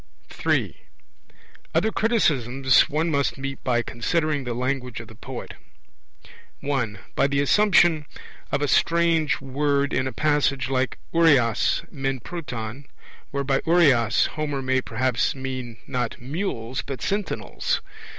III. Other criticisms one must meet by considering the language of the poet: (1) by the assumption of a strange word in a passage like oureas men proton, where by oureas Homer may perhaps mean not mules but sentinels.